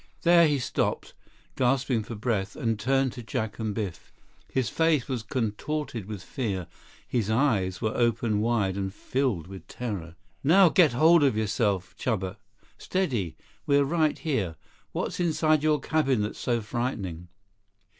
There he stopped, gasping for breath, and turned to Jack and Biff. His face was contorted with fear; his eyes were opened wide and filled with terror. "Now get hold of yourself, Chuba. Steady. We're right here. What's inside your cabin that's so frightening?"